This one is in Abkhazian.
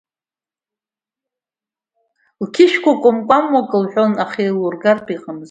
Лқьышәқәа кәамкәамуа ак лҳәон, аха еилургартә иҟамызт.